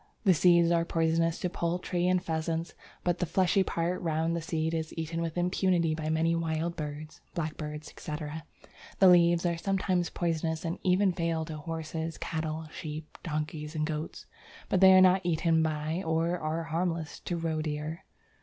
The seeds are poisonous to poultry and pheasants, but the fleshy part round the seed is eaten with impunity by many wild birds (blackbirds, etc.). The leaves are sometimes poisonous and even fatal to horses, cattle, sheep, donkeys, and goats, but they are not eaten by or are harmless to roedeer.